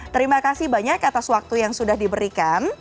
terima kasih banyak atas waktu yang sudah diberikan